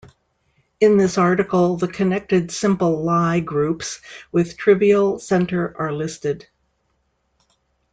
In this article the connected simple Lie groups with trivial center are listed.